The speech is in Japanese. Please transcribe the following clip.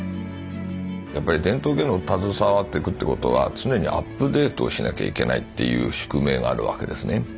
やっぱり伝統芸能に携わっていくということは常にアップデートをしなきゃいけないっていう宿命があるわけですね。